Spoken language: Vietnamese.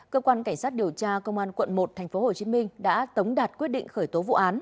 cơ quan cảnh sát điều tra công an quận một tp hcm đã tống đạt quyết định khởi tố vụ án